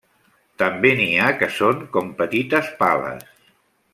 També n'hi ha que són com petites pales.